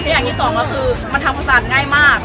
อย่างอีกสองก็คือมันทำประสาทง่ายมาก